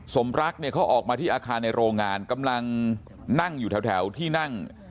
สมรักเนี่ยเขาออกมาที่อาคารในโรงงานกำลังนั่งอยู่แถวที่นั่ง